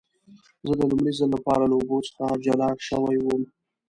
زه د لومړي ځل لپاره له اوبو څخه جلا شوی وم.